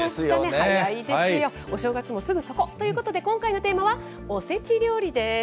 早いですよ。お正月もすぐそこということで、今回のテーマは、おせち料理です。